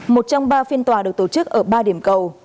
một trong ba phiên tòa được tổ chức ở ba điểm cầu